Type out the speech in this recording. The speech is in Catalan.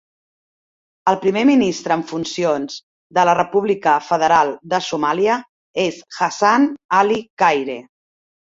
El primer ministre en funcions de la República Federal de Somàlia és Hassan Ali Khayre.